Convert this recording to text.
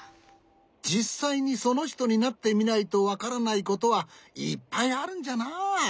じっさいにそのひとになってみないとわからないことはいっぱいあるんじゃな。